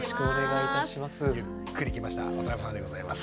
ゆっくりきました渡部さんでございます。